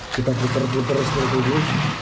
kita putar putar seterusnya